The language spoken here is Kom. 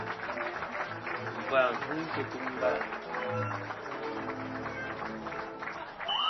Bò vâ nɨn kɨŋ sɨ tum vâ.